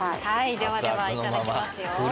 はいではではいただきますよ。